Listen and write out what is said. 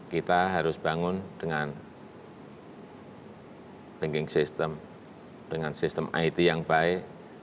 kita harus bangun dengan banking system dengan sistem it yang baik